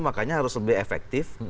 makanya harus lebih efektif